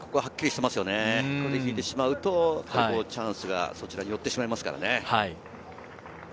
引いてしまうとチャンスがそちらによってしまいますからね。